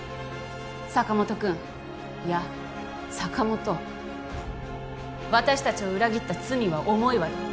坂本君いや坂本私達を裏切った罪は重いわよ